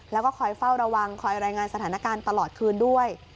แล้วก็คอยเฝ้าระวังคอยรายงานสถานการณ์ตลอดคืนด้วย